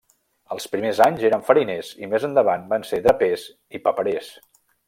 Els primers anys eren fariners i més endavant van ser drapers i paperers.